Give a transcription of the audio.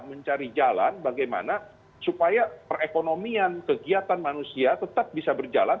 mencari jalan bagaimana supaya perekonomian kegiatan manusia tetap bisa berjalan